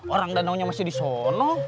orang danaunya masih disono